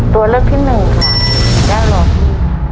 ตัวเลือกที่หนึ่งค่ะแก้วรอพี่